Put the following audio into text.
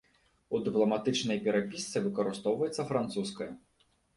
У дыпламатычнай перапісцы выкарыстоўваецца французская.